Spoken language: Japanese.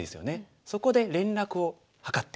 そこで連絡を図って。